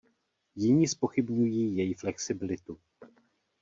Jiní zpochybňují její flexibilitu.